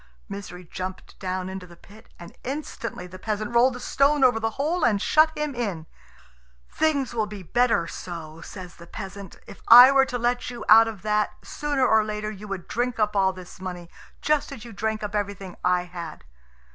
Misery jumped down into the pit, and instantly the peasant rolled the stone over the hole and shut him in. "Things will be better so," says the peasant. "If I were to let you out of that, sooner or later you would drink up all this money, just as you drank up everything I had."